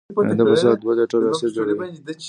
معده په ساعت دوه لیټره اسید جوړوي.